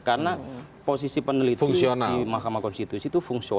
karena posisi peneliti di mahkamah konstitusi itu fungsional